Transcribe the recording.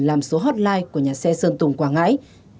làm số hotline của nhà xe sơn tùng quảng ngãi